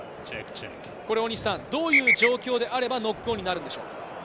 どういう状況であればノックオンになるんでしょう？